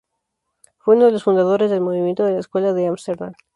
Fue uno de los fundadores del movimiento de la Escuela de Ámsterdam.